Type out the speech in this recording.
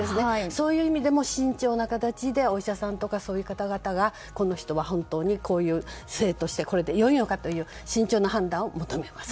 そういう意味でも慎重な形でお医者さんとかそういう方々がこの人は本当にこういう性としてこれで良いのかという慎重な判断を求めます。